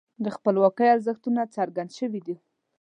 د خپلواکۍ ارزښتونه څرګند شوي دي.